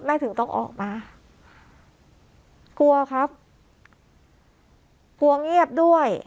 ถึงต้องออกมากลัวครับกลัวเงียบด้วย